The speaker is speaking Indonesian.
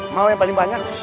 mau yang paling banyak